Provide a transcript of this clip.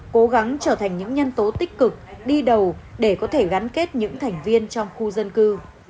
cố gắng trở thành những nhân tố tích cực đi đầu để có thể gắn kết những thành viên trong khu dân cư